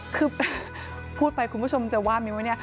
คือพูดไปคุณผู้ชมจะว่ามิ้วเนี่ย